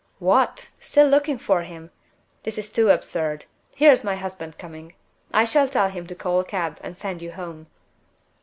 "What! still looking for him? This is really too absurd. Here is my husband coming. I shall tell him to call a cab, and send you home."